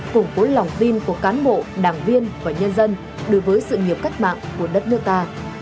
củng cố lòng tin của cán bộ đảng viên và nhân dân đối với sự nghiệp cách mạng của đất nước ta